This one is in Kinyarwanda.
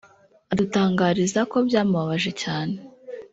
adutangariza ko byamubabaje cyane